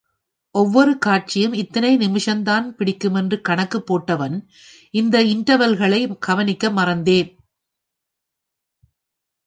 ஒவ்வொரு காட்சியும் இத்தனை நிமிஷம்தான் பிடிக்கும் என்று கணக்குப் போட்டவன், இந்த இண்டர்வெல்களை கவனிக்க மறந்தேன்.